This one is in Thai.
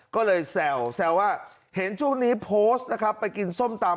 ก็เลยแซวแซวว่าเห็นช่วงนี้โพสต์ไปกินส้มตำ